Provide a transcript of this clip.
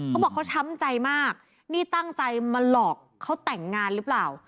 เขาบอกเขาช้ำใจมากนี่ตั้งใจมาหลอกเขาแต่งงานหรือเปล่า